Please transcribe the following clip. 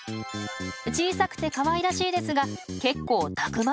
小さくてかわいらしいですが結構たくましいんです。